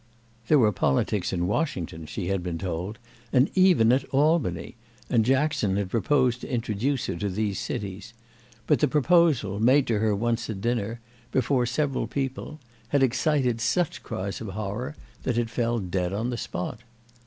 There were politics in Washington, she had been told, and even at Albany, and Jackson had proposed to introduce her to these cities; but the proposal, made to her once at dinner, before several people, had excited such cries of horror that it fell dead on the spot.